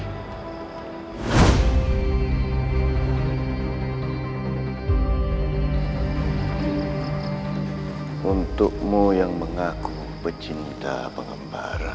hai untukmu yang mengaku pecinta pengembara